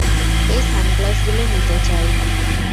এই সানগ্লাসগুলো নিতে চাই।